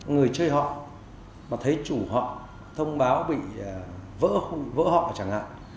người chơi họ mà thấy chủ họ thông báo bị vỡ họ chẳng hạn